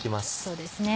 そうですね。